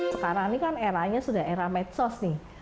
sekarang ini kan eranya sudah era medsos nih